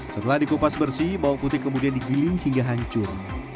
setelah dikupas bersih bawang putih kemudian digiling hingga hancur